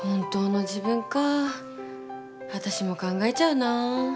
わたしも考えちゃうな。